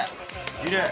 きれい。